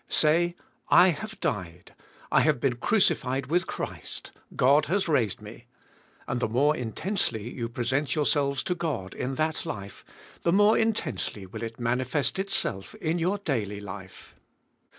Say, "I have died; I have been crucified with Christ. God has raised me;" and the VIEI.D YOURSEJIvVKS UNTO GOD. 203 more intensely you present yourselves to God in that life, the more intensely will it manifest itself in your daily life.